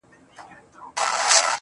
o وغورځول.